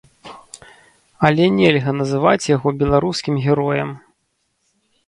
Але нельга называць яго беларускім героем.